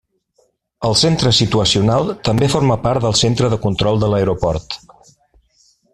El centre situacional també forma part del centre de control de l'aeroport.